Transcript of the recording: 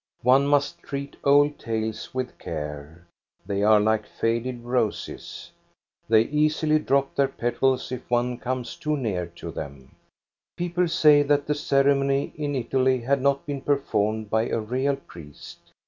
One must treat old tales with care ; they are like faded roses. They easily drop their petals if one comes too near to them. People say that the ceremony in Italy had not been performed by a real priest.